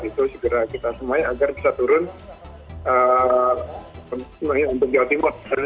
itu segera kita semai agar bisa turun untuk di altimot